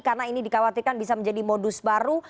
karena ini dikhawatirkan bisa menjadi modus baru